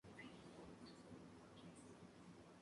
Actualmente es independiente, cercano al Partido Pirata.